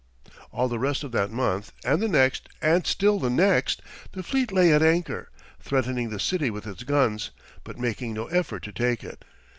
All the rest of that month, and the next, and still the next, the fleet lay at anchor, threatening the city with its guns, but making no effort to take it.